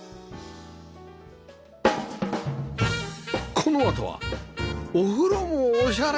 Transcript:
このあとはお風呂もオシャレ。